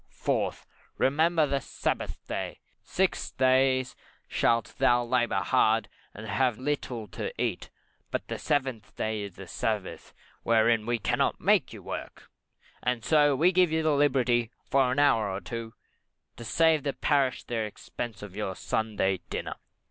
4th, Remember the Sabbath day: six days shalt thou labour hard, and have but little to eat; but the seventh day is the Sabbath, wherein we cannot make you work, and so we give you liberty for an hour or two, to save the parish the expense of your Sunday dinner.